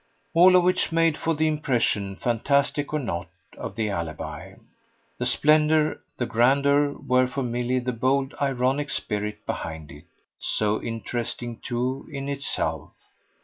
All of which made for the impression, fantastic or not, of the alibi. The splendour, the grandeur were for Milly the bold ironic spirit behind it, so interesting too in itself.